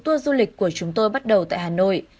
tour du lịch của chúng tôi bắt đầu tại hà nội